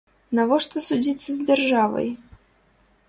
Навошта судзіцца з дзяржавай?